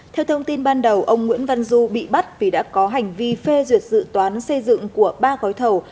theo thông tin ban đầu ông nguyễn văn du bị bắt vì đã có hành vi phê duyệt dự toán xây dựng của ba gói thầu